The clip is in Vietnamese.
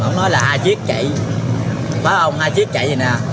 ông nói là hai chiếc chạy khóa ông hai chiếc chạy vậy nè